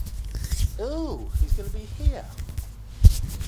Ew, he's gonna be here?